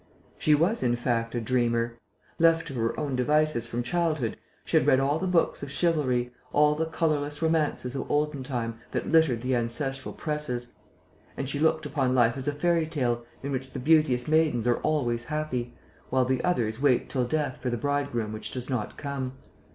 She was, in fact, a dreamer. Left to her own devices from childhood, she had read all the books of chivalry, all the colourless romances of olden time that littered the ancestral presses; and she looked upon life as a fairy tale in which the beauteous maidens are always happy, while the others wait till death for the bridegroom who does not come.